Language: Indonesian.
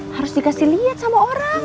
harus dikasih lihat sama orang